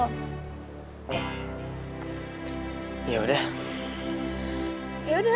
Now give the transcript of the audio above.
gaapa kok urusan gue bukan urusan lo